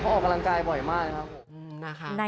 ออกกำลังกายบ่อยมากครับผมนะคะ